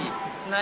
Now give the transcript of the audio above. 何？